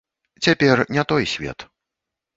Цяпер не той свет.